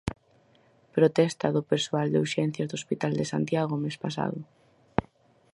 Protesta do persoal de Urxencias do Hospital de Santiago o mes pasado.